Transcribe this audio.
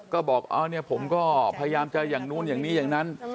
ก็บอกเอาเนี่ยผมก็พยายามจะอย่างนู้นอย่างนี้อย่างนั้น